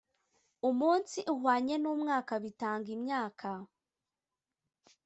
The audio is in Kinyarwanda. umunsi uhwanye n umwaka bitanga imyaka